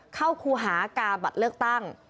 ครูหากาบัตรเลือกตั้ง